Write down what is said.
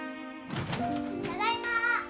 ただいま！